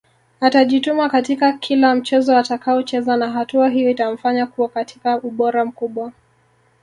Atajituma katika kila mchezo atakaocheza na hatua hiyo itamfanya kuwa katika ubora mkubwa